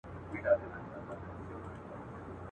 پر کنړ او کندهار یې پنجاب ګرځي.